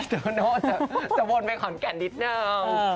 โน้จะวนไปขอนแก่นนิดนึง